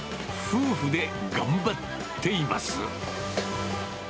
夫婦で頑張っています。